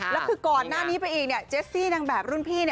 แล้วคือก่อนหน้านี้ไปอีกเจสซี่นางแบบรุ่นพี่